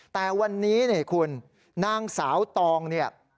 แต่วันนี้เนี่ยคุณนางสาวตองเนี่ย